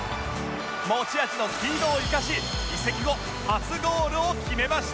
持ち味のスピードを生かし移籍後初ゴールを決めました